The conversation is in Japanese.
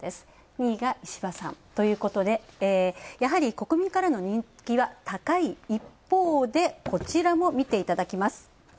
２位は石破さんということでやはり国民からの人気は高い一方でこちらも見ていただきます。